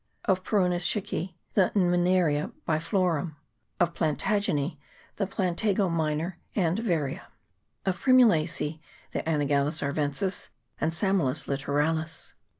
Of Peronychicce the Mniarum biflorum. Of Plantagineai the Plantago major and varia. Of Primulacece the Anagallis arvensis and Samolus litoralis.